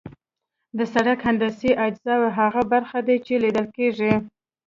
د سرک هندسي اجزا هغه برخې دي چې لیدل کیږي